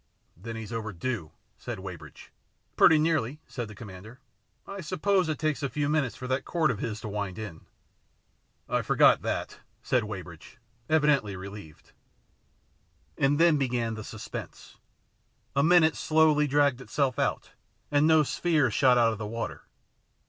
" Then he's overdue," said Weybridge. " Pretty nearly," said the commander. " I sup pose it takes a few minutes for that cord of his to wind in." " I forgot that," said Weybridge, evidently relieved. And then began the suspense. A minute slowly dragged itself out, and no sphere shot out of the water.